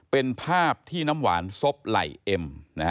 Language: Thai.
เป็นภาพที่น้ำหวานซบไหล่เอ็ม